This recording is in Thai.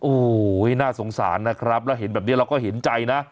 โอ้โหน่าสงสารนะครับแล้วเห็นแบบนี้เราก็เห็นใจนะ